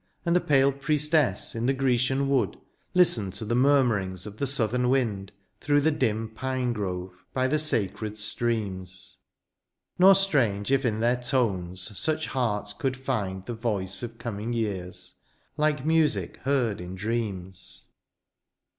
And the pale priestess in the Grecian wood Listened the murmurings of the southern wind Through the dim pine grove, by the sacred streams ; Nor strange if in their tones such heart could find The voice of coming years, Uke music heard in dreams.